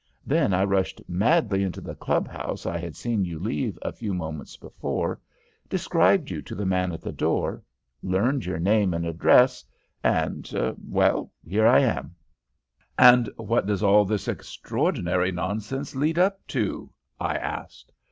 Then I rushed madly into the club house I had seen you leave a few moments before, described you to the man at the door, learned your name and address, and well, here I am.' "'And what does all this extraordinary nonsense lead up to?' I asked.